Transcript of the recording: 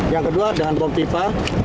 yang kedua dengan bom pipa